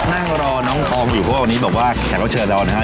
นั่งรอน้องทองอยู่พวกเรานี้บอกว่าแขกรับเชิญเรานะฮะ